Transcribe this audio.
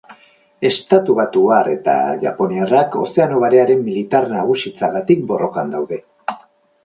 Estatubatuar eta japoniarrak Ozeano Barearen militar nagusitzagatik borrokan daude.